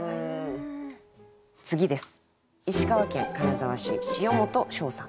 次です。